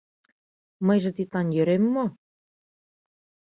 — Мыйже тидлан йӧрем мо?